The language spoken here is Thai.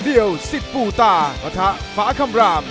เดียวสิทธิ์ปูตาประทะฝาคำราม